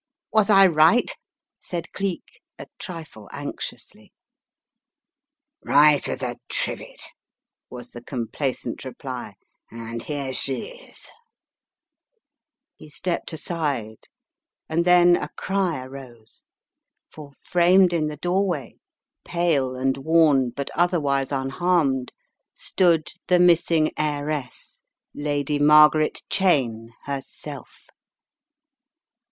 Was I right?" said Cleek, a trifle anxiously. Bight as a trivet," was the complacent reply. "And here she is " He stepped aside, and then a cry arose, for framed in the doorway, pale and worn, but otherwise 274 The Riddle of the Purple Emperor unharmed, stood the missing heiress, Lady Mar garet Cheyne herself!